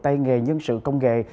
tây nghề nhân sự công nghệ